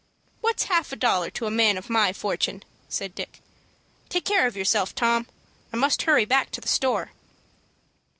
"What's half a dollar to a man of my fortune?" said Dick. "Take care of yourself, Tom. I must hurry back to the store."